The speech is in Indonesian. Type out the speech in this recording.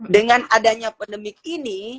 dengan adanya pandemik ini